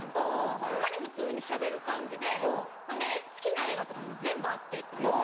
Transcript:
ホンマに普通にしゃべる感じでほんで好きな映画とかも全部合って行ったんです。